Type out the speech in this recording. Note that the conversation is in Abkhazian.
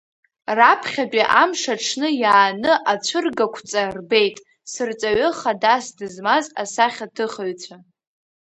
Раԥхьатәи амш аҽны иааны ацәыргақәҵа рбеит сырҵаҩы хадас дызмаз асахьаҭыхыҩцәа.